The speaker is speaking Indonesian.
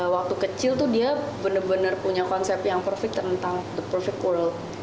waktu kecil tuh dia bener bener punya konsep yang profit tentang the profit world